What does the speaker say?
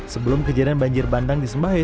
sebelum kejadian banjir bandang di semahe